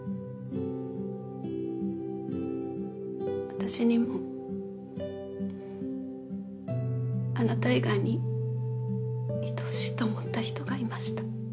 私にもあなた以外にいとしいと思った人がいました。